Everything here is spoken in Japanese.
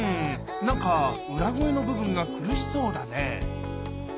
なんか裏声の部分が苦しそうだね